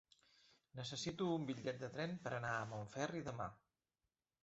Necessito un bitllet de tren per anar a Montferri demà.